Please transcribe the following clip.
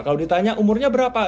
kalau ditanya umurnya berapa